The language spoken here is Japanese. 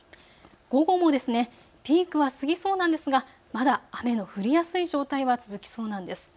午後もピークは過ぎそうなんですが、まだ雨の降りやすい状態は続きそうなんです。